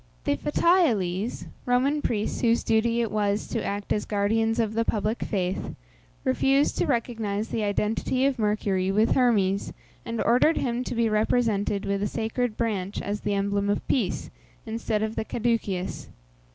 The Fetiales (Roman priests whose duty it was to act as guardians of the public faith) refused to recognize the identity of Mercury with Hermes, and ordered him to be represented with a sacred branch as the emblem of peace, instead of the Caduceus.